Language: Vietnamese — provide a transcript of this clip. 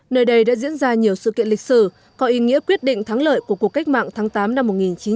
nơi đây đã diễn ra nhiều sự kiện lịch sử có ý nghĩa quyết định thắng lợi của cuộc cách mạng tháng tám năm một nghìn chín trăm bốn mươi năm